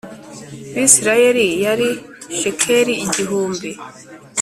Bisirayeli yari shekeli igihumbi